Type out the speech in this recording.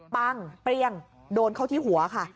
ปั้งเปรี้ยงโดนเข้าที่หัวค่ะ